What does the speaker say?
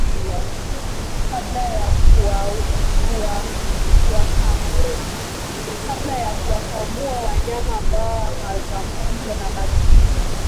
kabla ya kuwakamua wanyama ambao hawajaambukizwa Bakteria